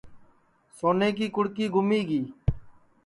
سونے کی کُڑکی گُمی گی